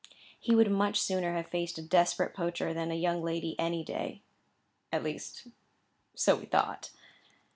He would much sooner have faced a desperate poacher than a young lady any day. At least so we thought.